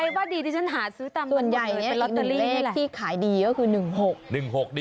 ใครว่าดีที่ฉันหาซื้อตามหวันใหญ่อีกหนึ่งเลขที่ขายดีก็คือ๑๖